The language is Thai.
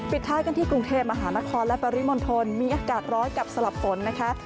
ท้ายกันที่กรุงเทพมหานครและปริมณฑลมีอากาศร้อนกับสลับฝนนะคะ